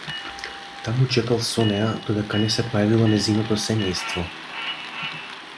Таму чекал со неа додека не се појавило нејзиното семејство.